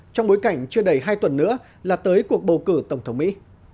trong bối cảnh chưa đầy hai tuần nữa là tới cuộc bầu cử tổng thống mỹ